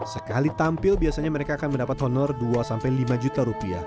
sekali tampil biasanya mereka akan mendapat honor dua lima juta rupiah